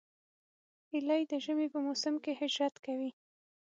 هیلۍ د ژمي په موسم کې هجرت کوي